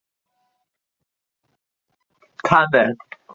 莱森是瑞士联邦西部法语区的沃州下设的一个镇。